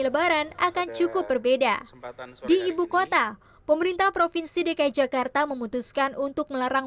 lebaran akan cukup berbeda di ibukota pemerintah provinsi dki jakarta memutuskan untuk melarang